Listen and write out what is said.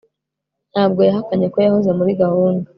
ntabwo yahakanye ko yahoze muri gahunda